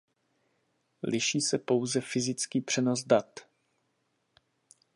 Liší se pouze fyzický přenos dat.